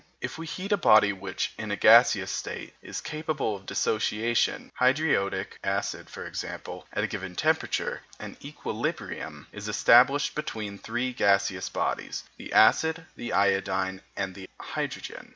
If we heat a body which, in a gaseous state, is capable of dissociation hydriodic acid, for example at a given temperature, an equilibrium is established between three gaseous bodies, the acid, the iodine, and the hydrogen.